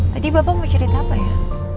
tadi bapak mau cerita apa ya